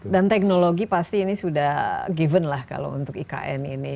dan teknologi pasti ini sudah diberikan lah kalau untuk ikn ini